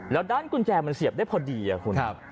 แล้วด้านกุญแจมันเสียบได้พอดีคุณ